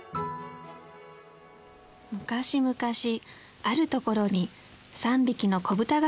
「昔々ある所に３匹の子豚が住んでいました」。